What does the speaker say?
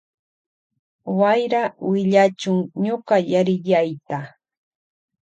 Wayra willachun ñuka yariyayta.